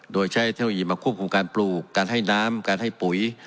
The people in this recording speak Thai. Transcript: โดยใช้เทคโนโลยีมาควบคุมการปลูกการให้น้ำการให้ปุ๋ย